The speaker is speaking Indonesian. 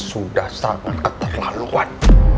sudah sangat keterlaluan